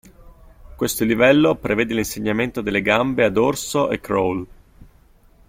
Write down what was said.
Questo livello prevede l'insegnamento delle gambe a dorso e crawl.